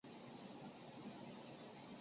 台湾日治时期遭到拆除。